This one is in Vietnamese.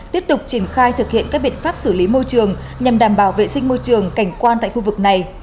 tiếp tục triển khai thực hiện các biện pháp xử lý môi trường nhằm đảm bảo vệ sinh môi trường cảnh quan tại khu vực này